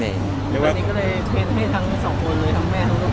วันนี้ก็เลยเชิญให้ทั้งสองคนเลยทั้งแม่ลูก